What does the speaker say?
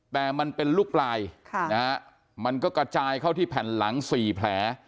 แต่มันเป็นลูกปลายมันก็กระจายเข้าที่แผ่นหลัง๔แผล